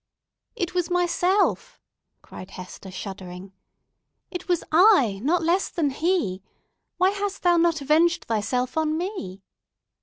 "It was myself," cried Hester, shuddering. "It was I, not less than he. Why hast thou not avenged thyself on me?"